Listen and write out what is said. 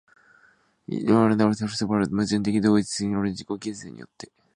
而して我々は矛盾的自己同一的世界の自己形成によって、